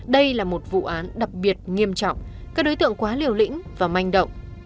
đây là một vụ án đặc biệt nghiêm trọng các đối tượng quá liều lĩnh và manh động